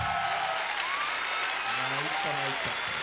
まいったまいった。